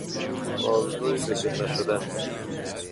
آرزوی ذکر نشده